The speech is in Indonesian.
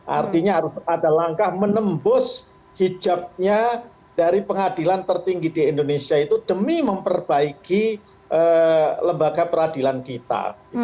artinya harus ada langkah menembus hijabnya dari pengadilan tertinggi di indonesia itu demi memperbaiki lembaga peradilan kita